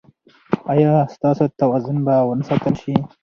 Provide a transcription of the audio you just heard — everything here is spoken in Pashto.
ایا ستاسو توازن به و نه ساتل شي؟